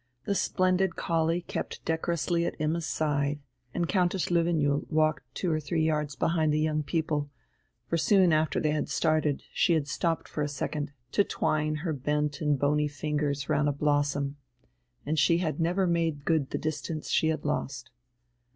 The splendid collie kept decorously at Imma's side, and Countess Löwenjoul walked two or three yards behind the young people; for soon after they had started she had stopped for a second, to twine her bent and bony fingers round a blossom, and she had never made good the distance she had then lost.